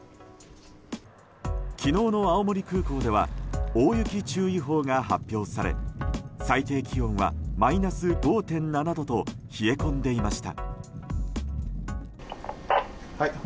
昨日の青森空港では大雪注意報が発表され最低気温はマイナス５．７度と冷え込んでいました。